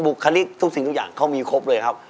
คลิกทุกสิ่งทุกอย่างเขามีครบเลยครับ